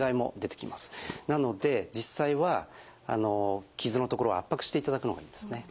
なので実際は傷の所を圧迫していただくのがいいんですね。